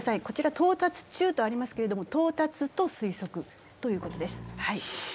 こちら到達中とありますけど、到達と推測ということです。